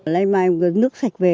lên mai nước sạch về